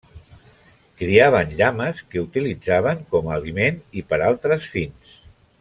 Criaven llames que utilitzaven com a aliment i per a altres fins.